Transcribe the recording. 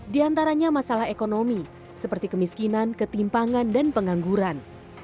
di antaranya masalah ekonomi seperti kemiskinan ketimpangan dan pengangguran